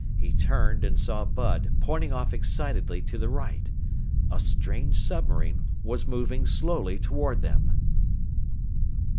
He turned and saw Bud pointing off excitedly to the right. A strange submarine was moving slowly toward them!